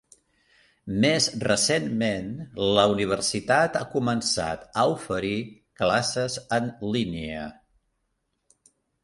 Més recentment, la universitat ha començat a oferir classes en línia.